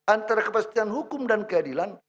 antara kepastian hukum dan keadilan